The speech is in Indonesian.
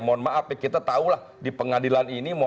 mohon maaf ya kita tahulah di pengadilan ini